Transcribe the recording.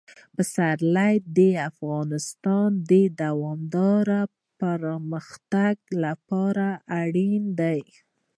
پسرلی د افغانستان د دوامداره پرمختګ لپاره اړین دي.